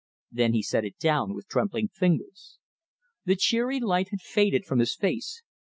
Then he set it down with trembling fingers. The cheery light had faded from his face.